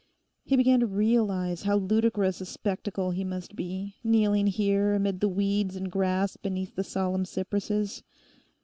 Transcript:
He began to realize how ludicrous a spectacle he must be, kneeling here amid the weeds and grass beneath the solemn cypresses.